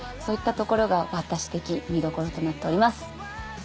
そういったところが私的見どころとなっております。